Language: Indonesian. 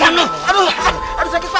makasih om hansip